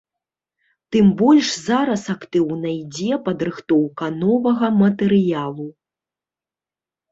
Тым больш зараз актыўна ідзе падрыхтоўка новага матэрыялу.